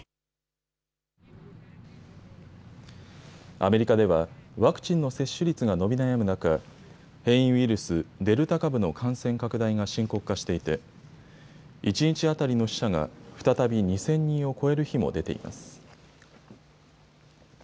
アメリカでは、ワクチンの接種率が伸び悩む中、変異ウイルス、デルタ株の感染拡大が深刻化していて、１日当たりの死者が再び２０００人を超える日も出ています。